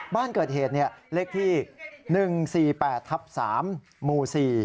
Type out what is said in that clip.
บ้านเกิดเหตุเลขที่๑๔๘ทับ๓หมู่๔